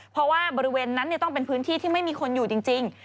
เพราะว่าบริเวณนั้นต้องเป็นพื้นที่ที่ไม่มีคนอยู่จริง